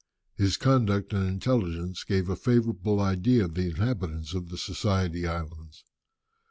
His conduct and intelligence gave a favourable idea of the inhabitants of the Society Islands.